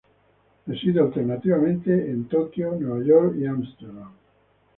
Reside alternativamente en Tokio, Nueva York y Ámsterdam.